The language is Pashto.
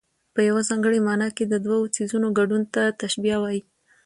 په یوه ځانګړې مانا کې د دوو څيزونو ګډون ته تشبېه وايي.